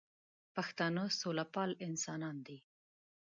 پښتانه سوله پال انسانان دي